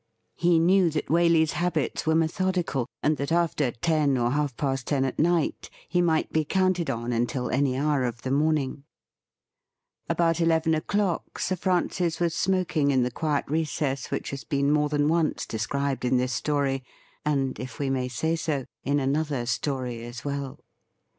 He knew that Waley's habits were methodical, and that after 228 THE RIDDLE RING ten or half past ten at night he might be counted on until any hour of the morning. About eleven o''clock Sir Francis was smoking in the quiet recess which has been more than once described in this story, and, if we may say so, in another story as well.